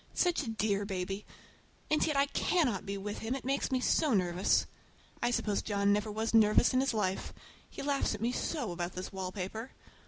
Such a dear baby! And yet I cannot be with him, it makes me so nervous. I suppose John never was nervous in his life. He laughs at me so about this wallpaper!